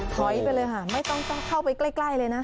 ถอยไปเลยค่ะไม่ต้องเข้าไปใกล้เลยนะ